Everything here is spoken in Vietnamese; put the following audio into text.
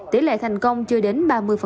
tỷ lệ thành công chưa đến ba mươi